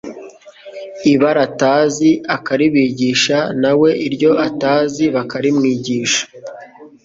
ibara batazi akaribigisha na we iryo atazi bakarimwigisha